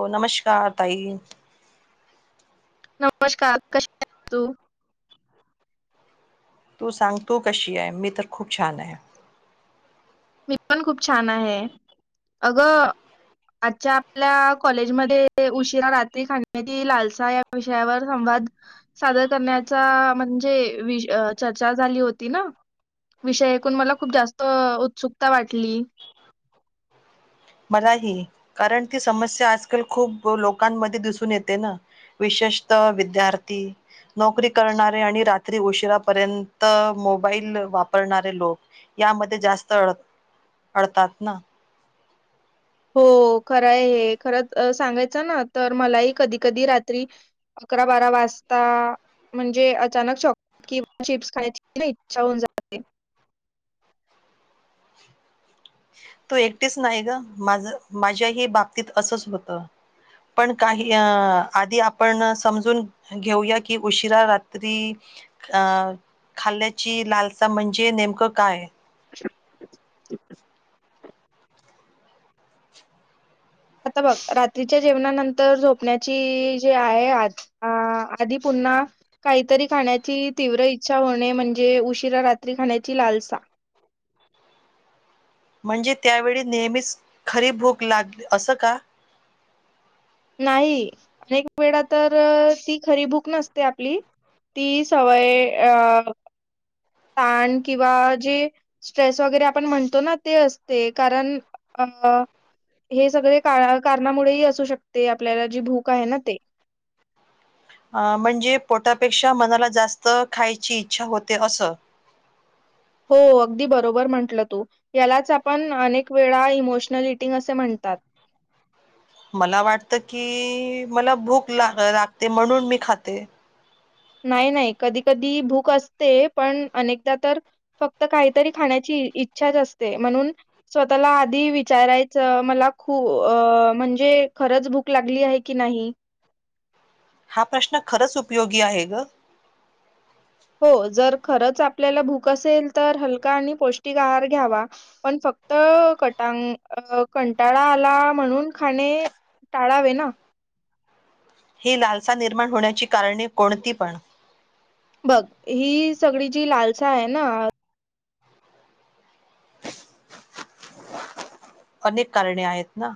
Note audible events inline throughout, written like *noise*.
हो नमस्कार ताई. नमस्कार कसे आहे तू? तू सांग तू कशी आहे? मी तर खूप छान आहे. मी पण खूप छान आहे अगं आजच्या आपल्या कॉलेजमध्ये उशिरा रात्री खदी लालसा या विषयावर संवाद सादर करण्याचा म्हणजे वि चर्चा झाली होती ना. विषय ऐकून मला खूप जास्त उत्सुकता वाटली. मलाही कारण ती समस्या आजकाल खूप लोकांमध्ये दिसून येते ना विशेषत विद्यार्थी. नोकरी करणारे आणि रात्री उशिरापर्यंत मोबाईल वापरणारे लोक यामध्ये जास्त अड अडतात ना. हो खरंय आहे खरं सांगायचं ना तर मलाही कधी, कधी रात्री अकरा, बारा वाजता म्हणजे अचानक चॉकलेट किंवा चिप्स खायची इच्छा होऊन जाते. तू एकटीच नाही ग माझ माझ्याही बाबतीत असंच होतं. पण काही अ आधी आपण समजून घेऊया की उशिरा रात्री अ खाल्याची लालसा म्हणजे नेमकं काय? *inaudible* आता बघ रात्रीच्या जेवणानंतर झोपण्याची जी आहे आज अ आधी पुन्हा काहीतरी खाण्याची तीव्र इच्छा होणे. म्हणजे उशिरा रात्री खाण्याची लालसा. म्हणजे त्यावेळी नेहमीच खरी भूक लागली असं का? नाही अनेक वेळा तर ती खरी भूक नसते आपली ती सवय अहह ताण किंवा जी स्ट्रेस वगैरे आपण म्हणतो ना ते असते कारण अ हे सगळे काळ कारणामुळेही असू शकते. आपल्याला जी भूक आहे ना ते. अ म्हणजे पोटापेक्षा मनाला जास्त खायची इच्छा होते असं. हो अगदी बरोबर म्हंटलं तू. यालाच आपण अनेक वेळा इमोशनल इटिंग असे म्हणतात. मला वाटत की? मला भूक ला लागते म्हणून मी खाते. नाही, नाही, कधी, कधी भूक असते पण अनेकदा तर फक्त काहीतरी खाण्याची इच्छाच असते म्हणून स्वतःला आधी विचारायचं मला खू अ म्हणजे खरंच भूक लागली आहे की नाही? हा प्रश्न खरंच उपयोगी आहे ग. हो जर खरंच आपल्याला भूक असेल तर हलका आणि पौष्टिक आहार घ्यावा. पण फक्त कटांग अ कंटाळा आला म्हणून खाणे टाळावे ना. ही लालसा निर्माण होण्याची कारणे कोणती पण? बघ ही सगळी जी लालसा आहे ना अनेक कारणे आहेत ना.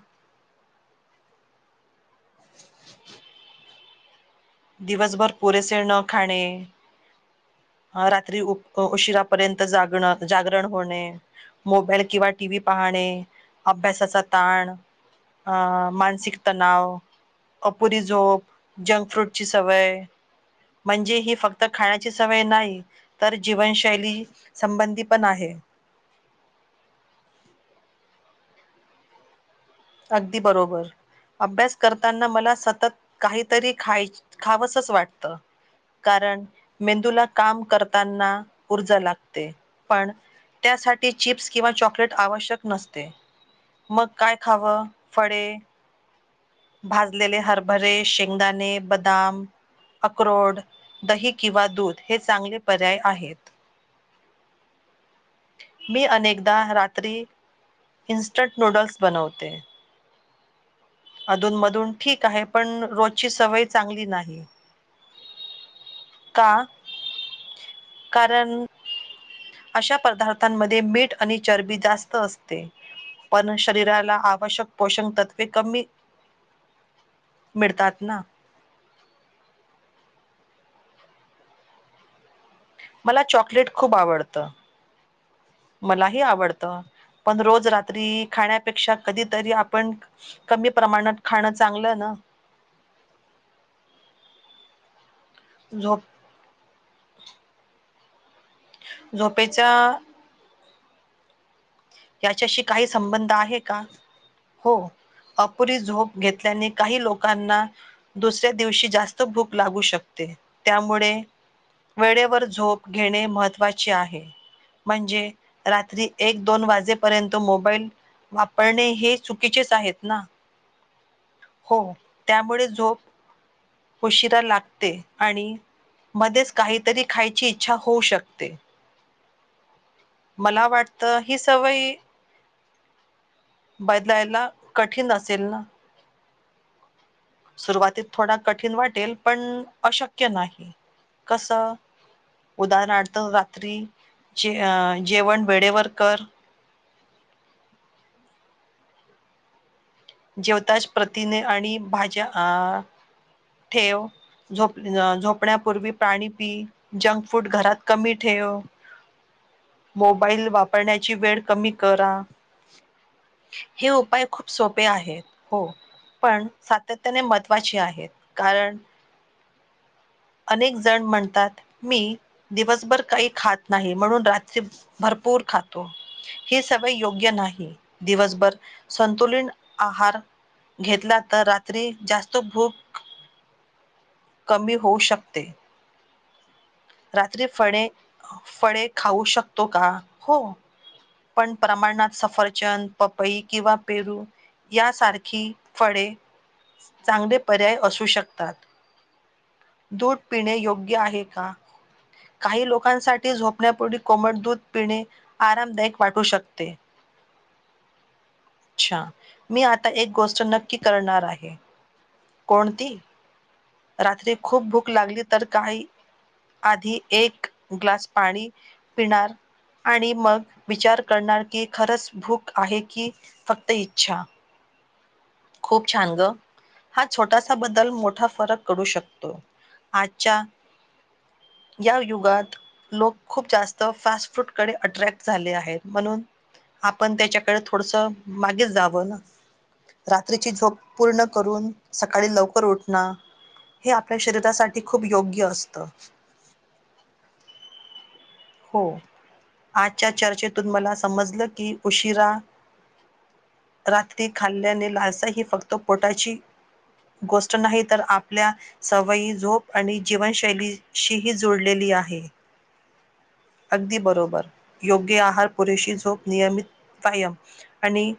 दिवसभर पुरेसे न खाणे. रात्री उ उशिरापर्यंत जागण जागरण होणे. मोबाईल किंवा टी. व्ही पाहणे, अभ्यासाचा ताण अ मानसिक तणाव, अपुरी झोप, जंक फ्रूट ची सवय म्हणजे ही फक्त खाण्याची सवय नाही. तर जीवनशैली संबंधी पण आहे. अगदी बरोबर. अभ्यास करताना मला सतत काहीतरी खायची खावसच वाटतं. कारण मेंदूला काम करताना ऊर्जा लागते पण त्यासाठी चिप्स किंवा चॉकलेट आवश्यक नसते. मग काय खावं फळे भाजलेले हरभरे, शेंगदाणे, बदाम, अक्रोड, दही, किंवा दूध हे चांगले पर्याय आहेत. मी अनेकदा रात्री इन्स्टंट नूडल्स बनवते. अधून मधून ठीक आहे. पण रोजची सवय चांगली नाही. का *inaudible* कारण अशा प्रदार्थांमध्ये मीठ आणि चरबी जास्त असते. पण शरीराला आवश्यक पोषण तत्त्वे कमी मिळतात ना. मला चॉकलेट खूप आवडतं. मलाही आवडतं. पण रोज रात्री खाण्यापेक्षा कधीतरी आपण कमी प्रमाणात खाणं चांगलं ना. झोप झोपेच्या याच्याशी काही संबंध आहे का? हो. अपुरी झोप घेतल्याने, काही लोकांना दुसऱ्या दिवशी जास्त भूक लागू शकते. त्यामुळे, वेळेवर झोप घेणे महत्त्वाचे आहे. म्हणजे रात्री एक, दोन वाज जेपर्यंत मोबाईल वापरणे हे चुकीचेच आहेत ना. हो. त्यामुळे झोप उशिरा लागते आणि मध्येच काहीतरी खायची इच्छा होऊ शकते. मला वाटतं ही सवय बदलायला कठीण असेल ना. सुरुवातीत थोडा कठीण वाटेल, पण अशक्य नाही. कसं? उदाहरणार्थ रात्री जे अ जेवण वेळेवर कर. जेवताच प्रथिने आणि भाज्या अ ठेव. झोप. झोपण्यापूर्वी पाणी पी. जंक फूड घरात कमी ठेव. मोबाईल वापरण्याची वेळ कमी करा. हे उपाय खूप सोप पे. आहेत हो. पण सातत्याने महत्वाचे आहेत. कारण, अनेक जण म्हणतात, मी दिवसभर काही खात नाही. म्हणून रात्री भरपूर खातो. ही सवय योग्य नाह. दिवसभर संतुलन आहार घेतला तर रात्री जास्त भूक कमी होऊ शकते. रात्री फळे फळे खाऊ शकतो का? हो. पण प्रमाणात सफरचंद, पपई किंवा पेरू यासारखी फळे चांगले पर्याय असू शकतात. दूध पिणे योग्य आहे का? काही लोकांसाठी झोपण्यापूर्वी कोमट दूध पिणे आरामदायक वाटू शकते. अच्छा, मी आता एक गोष्ट नक्की करणार आहे. कोणती? रात्री खूप भूक लागली तर, काही आधी एक ग्लास पाणी पिणार आणि मग विचार करणार की, खरंच भूक आहे की फक्त इच्छा. खूप छान गं. हा छोटासा बद्दल मोठा फरक पडू शकतो. आजच्या या युगात लोक खूप जास्त फास्ट फूड कडे अट्रॅक्ट झाले आहेत म्हणून, आपण त्याच्याकडे थोड मागेच जावं ना. रात्रीची झोप पूर्ण करून सकाळी लवकर उठणार. हे आपल्या शरीरासाठी खूप योग्य असतं. हो, आजच्या चर्चेतून मला समजलं की, उशिरा रात्री खाल्ल्याने, लालसा ही फक्त पोटाची गोष्ट नाही तर आपल्या सवयी झोप आणि जीवनशैलीशीही जोडलेली आहे. अगदी बरोबर, योग्य आहार, पुरेशी झोप, नियमित व्यायाम आणि